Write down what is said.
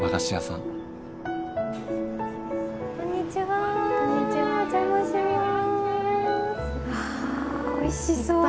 わおいしそう。